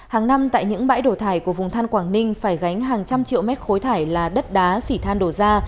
hàng năm tại những bãi đổ thải của vùng than quảng ninh phải gánh hàng trăm triệu mét khối thải là đất đá xỉ than đổ ra